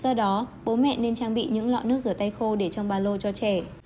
do đó bố mẹ nên trang bị những lọ nước rửa tay khô để trong ba lô cho trẻ